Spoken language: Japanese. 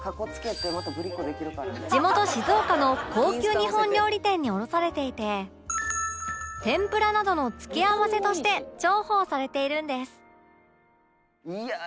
地元静岡の高級日本料理店に卸されていて天ぷらなどの付け合わせとして重宝されているんです